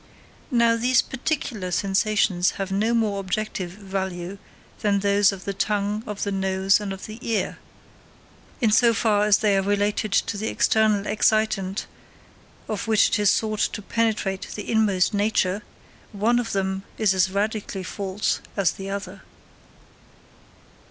Now these particular sensations have no more objective value than those of the tongue, of the nose, and of the ear; in so far as they are related to the external excitant of which it is sought to penetrate the inmost nature, one of them is as radically false as the other.